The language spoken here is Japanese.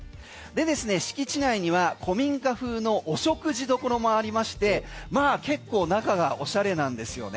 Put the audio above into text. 敷地内には古民家風のお食事処もありまして結構、中がおしゃれなんですよね。